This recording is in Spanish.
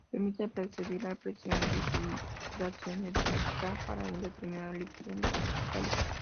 Permite predecir la presión de filtración neta para un determinado líquido en los capilares.